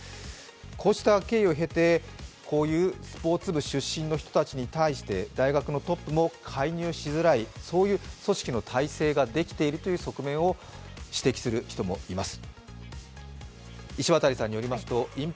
こうした経緯をへてこういうスポーツ部出身の人たちに対して大学のトップも介入しづらい、そういう組織の体質ができていると指摘する人もいます。